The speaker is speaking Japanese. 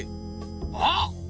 あっ！